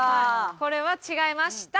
これは違いました。